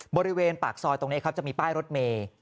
บริเวณปากซอยตรงนี้ครับจะมีป้ายรถเมย์